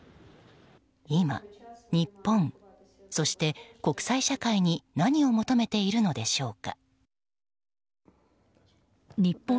今、日本そして国際社会に何を求めているのでしょうか。